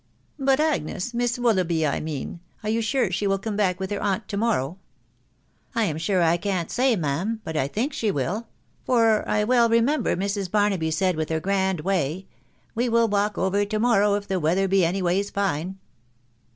u But Agnes .... Miss Willoughby I mean, .... are you sure she will come back with her aunt to morrow ?"" I am sure I can't say, ma'am, .... but I think she will ; for I well remember Mrs. Barnaby said with her grand way, ....' We will walk over to morrow if the weather be any ways fine.